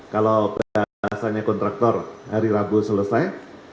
kalau bahasanya kontraktor hari rabu selesai